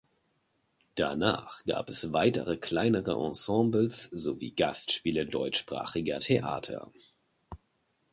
Danach gab es weitere kleinere Ensembles sowie Gastspiele deutschsprachiger Theater.